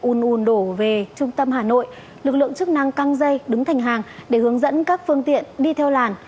un ùn đổ về trung tâm hà nội lực lượng chức năng căng dây đứng thành hàng để hướng dẫn các phương tiện đi theo làn